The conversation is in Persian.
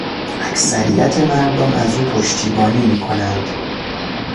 اکثریت مردم از او پشتیبانی میکنند.